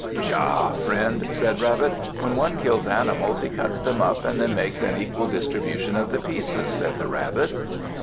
"Pshaw, friend," said Rabbit. "When one kills animals, he cuts them up and then makes an equal distribution of the pieces," said the Rabbit.